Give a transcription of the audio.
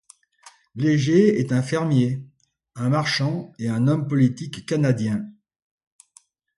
Léger est un fermier, un marchand et un homme politique canadien.